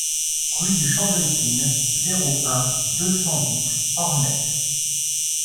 Rue du Champ de l'Épine, zéro un, deux cent dix Ornex